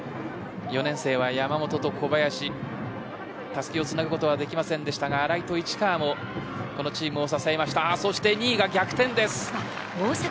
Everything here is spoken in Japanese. ４年生は山本と小林たすきをつなぐことはできませんでしたが荒井と市川もこのチームを支えました。